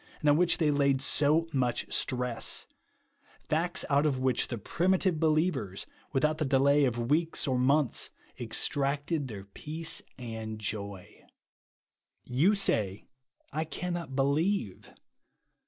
and on which they laid so much stress ; facts out of which the primitive believers,, without the delay of weeks or months, ex tracted their peace and joy. You say, I cannot believe.